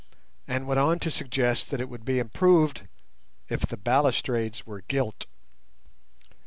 and went on to suggest that it would be improved if the balustrades were gilt.